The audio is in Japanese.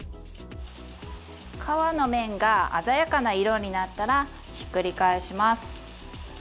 皮の面が鮮やかな色になったらひっくり返します。